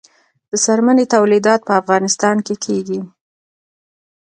د څرمنې تولیدات په افغانستان کې کیږي